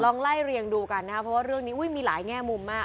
ไล่เรียงดูกันนะครับเพราะว่าเรื่องนี้มีหลายแง่มุมมาก